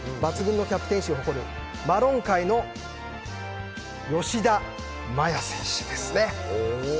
抜群なキャプテンシーを誇るマロン界の吉田麻也選手ですね。